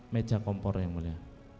meja kompor yang mulia